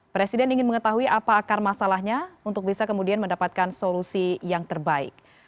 presiden ingin mengetahui apa akar masalahnya untuk bisa kemudian mendapatkan solusi yang terbaik